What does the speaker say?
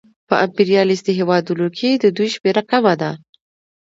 په امپریالیستي هېوادونو کې د دوی شمېره کمه ده